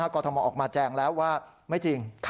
กรทมออกมาแจงแล้วว่าไม่จริง